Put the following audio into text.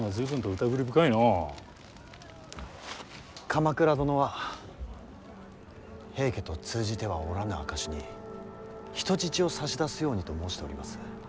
鎌倉殿は平家と通じてはおらぬ証しに人質を差し出すようにと申しております。